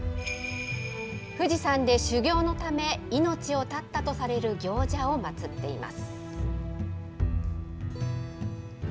富士山で修業のため命を絶ったとされる行者を祭っています。